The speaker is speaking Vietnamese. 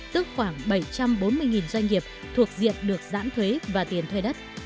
tức khoảng bảy trăm bốn mươi doanh nghiệp thuộc diện được giãn thuế và tiền thuê đất